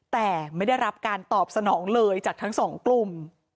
แต่ไม่ได้รับการตอบสนองเลยจากทั้งสองกลุ่ม